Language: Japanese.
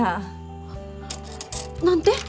何て？